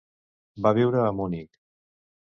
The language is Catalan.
Va viure a Munic.